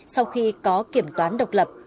sau khi có kiểm toán độc lập